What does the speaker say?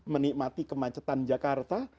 menikmati kemacetan jakarta